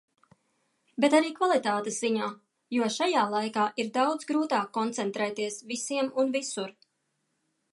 Bet arī kvalitātes ziņā. Jo šajā laikā ir daudz grūtāk koncentrēties visiem un visur.